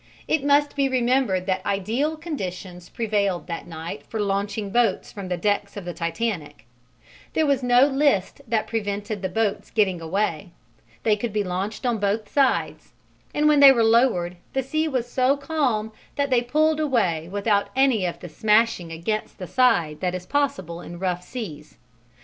It must be remembered that ideal conditions prevailed that night for launching boats from the decks of the Titanic: there was no list that prevented the boats getting away, they could be launched on both sides, and when they were lowered the sea was so calm that they pulled away without any of the smashing against the side that is possible in rough seas.